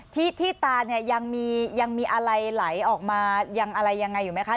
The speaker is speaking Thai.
ที่ตายังมีอะไรไหลออกมายังอะไรอย่างไรอยู่ไหมค่ะ